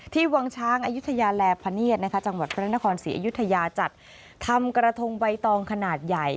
วังช้างอายุทยาแลพเนียดนะคะจังหวัดพระนครศรีอยุธยาจัดทำกระทงใบตองขนาดใหญ่